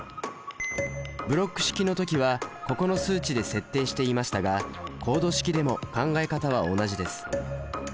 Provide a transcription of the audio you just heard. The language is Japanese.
ブロック式の時はここの数値で設定していましたがコード式でも考え方は同じです。